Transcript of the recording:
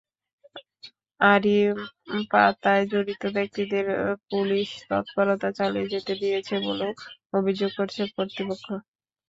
আড়ি পাতায় জড়িত ব্যক্তিদের পুলিশ তৎপরতা চালিয়ে যেতে দিয়েছে বলেও অভিযোগ করেছে কর্তৃপক্ষ।